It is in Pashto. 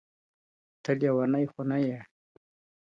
ته لېونۍ خو نه یې؟!